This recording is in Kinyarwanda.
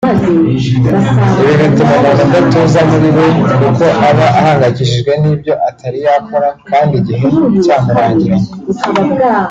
Ibi bituma umuntu adatuza muri we kuko aba ahangayikishijwe n’ibyo atari yakora kandi igihe cyamurangiranye